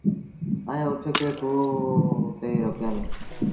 ائيٚݩ اُٺ کي کوه تي روڪيآݩدي۔